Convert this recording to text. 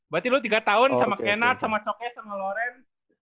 berarti lu tiga tahun sama kennard sama coke sama lauren